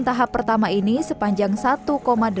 tahap pertama ini sepanjang satu delapan km